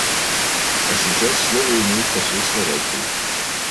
А сейчас слово имеет посол Словакии.